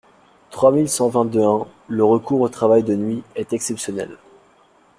trois mille cent vingt-deux-un :« Le recours au travail de nuit est exceptionnel.